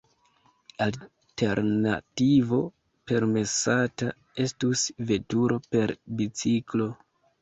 Alternativo permesata estus veturo per biciklo.